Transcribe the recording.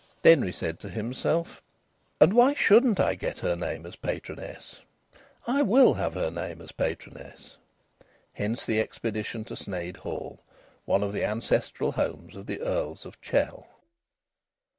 Denry said to himself: "And why shouldn't I get her name as patroness? I will have her name as patroness." Hence the expedition to Sneyd Hall, one of the ancestral homes of the Earls of Chell.